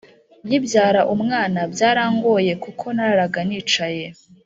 Nyibyara umwana byarangoye kuko nararaga nicaye